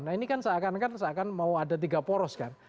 nah ini kan seakan akan seakan mau ada tiga poros kan